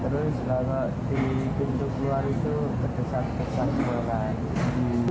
terus kalau di pintu keluar itu terdesak desak juga kan